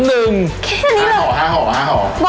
แค่นี้เลย